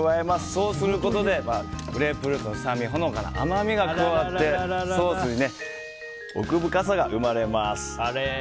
そうすることでグレープフルーツの酸味とほのかな甘みが加わってソースに奥深さが生まれます。